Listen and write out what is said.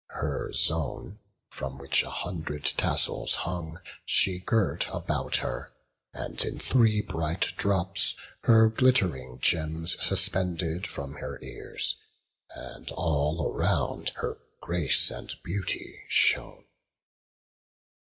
Her zone, from which a hundred tassels hung, She girt about her; and, in three bright drops, Her glitt'ring gems suspended from her ears; And all around her grace and beauty shone.